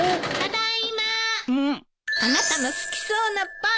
あなたの好きそうなパン。